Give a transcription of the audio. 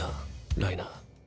ライナー。